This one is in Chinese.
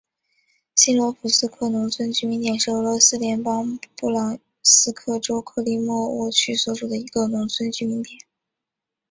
新罗普斯克农村居民点是俄罗斯联邦布良斯克州克利莫沃区所属的一个农村居民点。